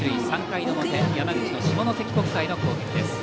３回の表山口の下関国際の攻撃です。